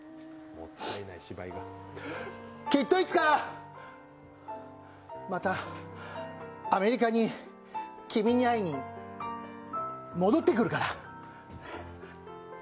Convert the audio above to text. きっといつか、またアメリカに君に会いに戻ってくるから。